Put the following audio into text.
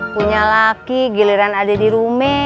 punya laki giliran ada di rume